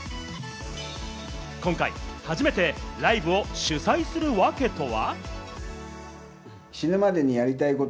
今回、初めてライブを主催する訳とは？